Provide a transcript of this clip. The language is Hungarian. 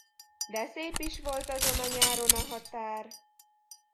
De szép is volt azon a nyáron a határ!